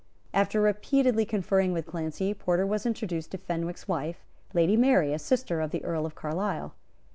After repeatedly conferring with Clancy, Porter was introduced to Fenwick's wife, Lady Mary, a sister of the Earl of Carlisle.